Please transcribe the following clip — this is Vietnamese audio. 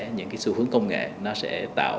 những cái xu hướng công nghệ nó sẽ tạo